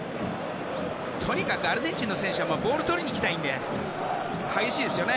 とにかくアルゼンチンの選手はボールをとりにいきたいので激しいですよね